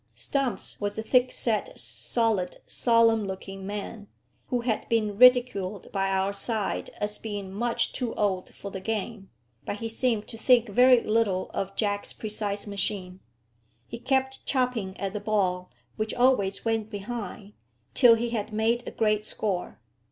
Stumps was a thick set, solid, solemn looking man, who had been ridiculed by our side as being much too old for the game; but he seemed to think very little of Jack's precise machine. He kept chopping at the ball, which always went behind, till he had made a great score.